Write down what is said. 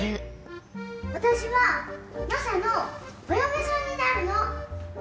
私はマサのお嫁さんになるの！